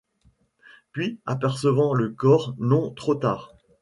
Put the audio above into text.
Puis, apercevant le corps :— Non, trop tard !…